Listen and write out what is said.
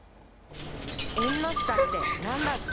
「えんのしたってなんだっけ？」